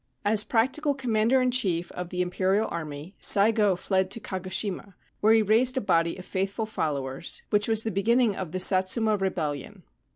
As practical Commander in Chief of the Imperial Army, Saigo fled to Kagoshima, where he raised a body of faithful followers, which was the beginning of the Satsuma Rebellion.